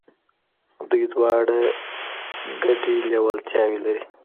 دوی دواړه ګډي لېوالتياوي لري.